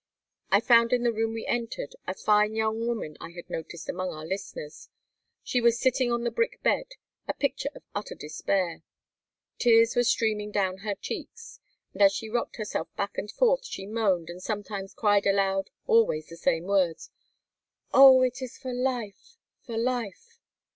I found in the room we entered the fine young woman I had noticed among our listeners. She was sitting on the brick bed, a picture of utter despair. Tears were streaming down her cheeks, and as she rocked herself back and forth she moaned and sometimes cried aloud, always the same words,—"Oh, it is for life, for life!"